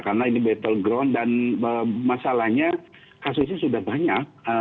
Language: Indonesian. karena ini battleground dan masalahnya kasusnya sudah banyak